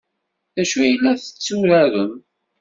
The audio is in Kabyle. D acu ay la tetturarem?